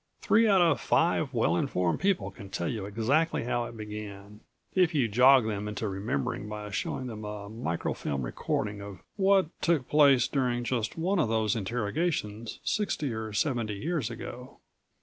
Three out of five well informed people can tell you exactly how it began, if you jog them into remembering by showing them a micro film recording of what took place during just one of those interrogations sixty or seventy years ago.